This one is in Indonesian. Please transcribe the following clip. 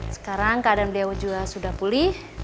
sekarang keadaan beliau juga sudah pulih